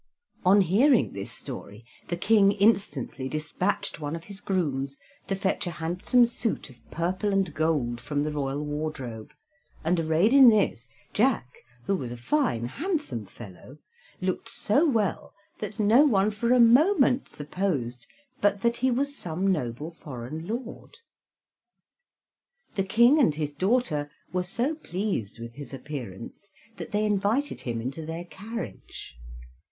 On hearing this story the King instantly despatched one of his grooms to fetch a handsome suit of purple and gold from the royal wardrobe, and arrayed in this, Jack, who was a fine, handsome fellow, looked so well that no one for a moment supposed but that he was some noble foreign lord. The King and his daughter were so pleased with his appearance that they invited him into their carriage.